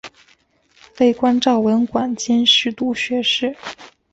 累官昭文馆兼侍读学士。